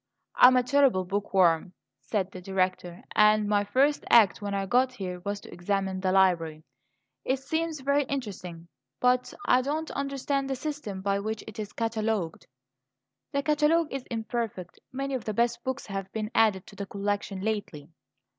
"I am a terrible book worm," said the Director; "and my first act when I got here was to examine the library. It seems very interesting, but I do not understand the system by which it is catalogued." "The catalogue is imperfect; many of the best books have been added to the collection lately."